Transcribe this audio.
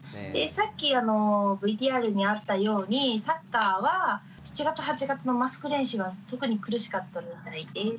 さっきＶＴＲにあったようにサッカーは７月８月のマスク練習は特に苦しかったみたいで。